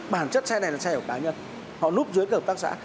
bản chất xe này là xe hợp tác nhân họ núp dưới các hợp tác xã